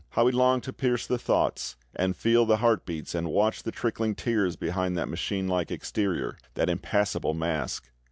How we long to pierce the thoughts and feel the heart beats and watch the trickling tears behind that machine like exterior, that impassible mask!